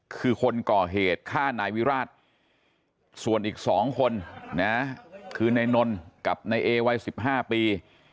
คือคนก่อเหตุฆ่านายวิราชส่วนอีกสองคนนะฮะคือในนนท์กับในเอวัยสิบห้าปี